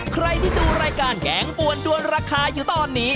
ใครที่ดูรายการแกงปวนด้วนราคาอยู่ตอนนี้